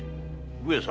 上様